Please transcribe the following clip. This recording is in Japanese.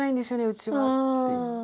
うちはっていう。